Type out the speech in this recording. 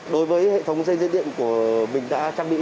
đối với hệ thống dây dứt điện của mình đã trang bị